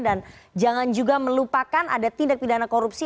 dan jangan juga melupakan ada tindak pidana korupsi